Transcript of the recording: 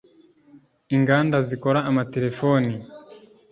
inganda zikora amatelefoni